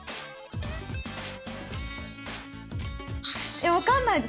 え分かんないです。